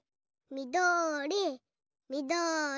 みどりみどり。